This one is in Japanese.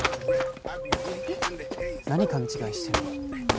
何勘違いしてんの？